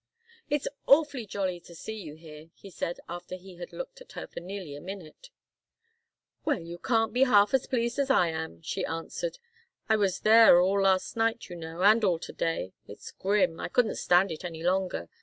"It's awfully jolly to see you here," he said, after he had looked at her for nearly a minute. "Well, you can't be half as pleased as I am," she answered. "I was there all last night, you know, and all to day. It's grim. I couldn't stand it any longer.